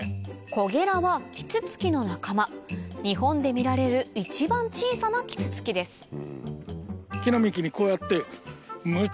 コゲラはキツツキの仲間日本で見られる一番小さなキツツキです